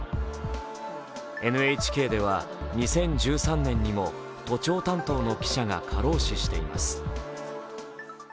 ＮＨＫでは２０１３年にも、都庁担当の記者が過労死しています。